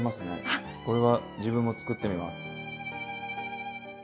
これは自分も作ってみます。